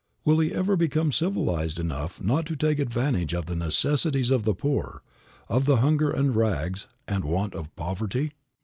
Will he ever become civilized enough not to take advantage of the necessities of the poor, of the hunger and rags and want of poverty?